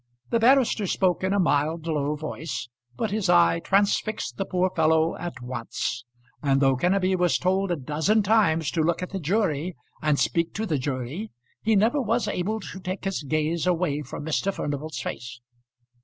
The barrister spoke in a mild low voice, but his eye transfixed the poor fellow at once; and though Kenneby was told a dozen times to look at the jury and speak to the jury, he never was able to take his gaze away from Mr. Furnival's face.